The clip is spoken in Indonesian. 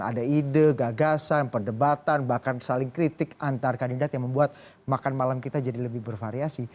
ada ide gagasan perdebatan bahkan saling kritik antar kandidat yang membuat makan malam kita jadi lebih bervariasi